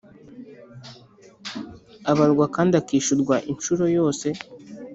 abarwa kandi akishurwa inshuro yose